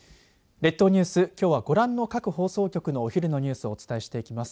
列島ニュース、きょうはご覧の各放送局のお昼のニュースをお伝えしていきます。